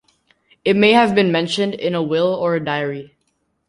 It may have been mentioned in a will or a diary.